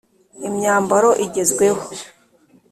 imyambaro igezweho